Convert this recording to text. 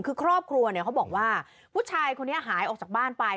คือครอบครัวเนี่ยเขาบอกว่าผู้ชายคนนี้หายออกจากบ้านไป